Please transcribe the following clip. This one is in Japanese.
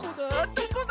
どこだ？